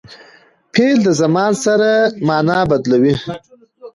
فعل د زمان سره مانا بدلوي.